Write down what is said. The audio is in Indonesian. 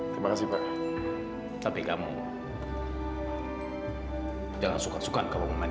kamu bohong bajat